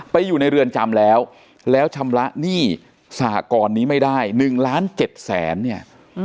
อยู่ในเรือนจำแล้วแล้วชำระหนี้สหกรณ์นี้ไม่ได้๑ล้าน๗แสนเนี่ย